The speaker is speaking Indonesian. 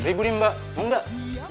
dua ratus ribu nih mbak mau gak